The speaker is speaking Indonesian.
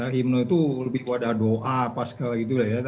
himne itu lebih ada doa pasca gitu